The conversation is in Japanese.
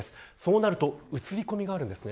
そうなると映り込みがあるんです。